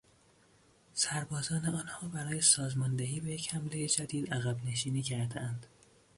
سربازان آنها برای سازماندهی به یک حملهی جدید عقبنشینی کردهاند.